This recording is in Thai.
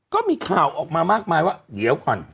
ก็มีข่าวออกมามากมายว่าเดี๋ยวก่อน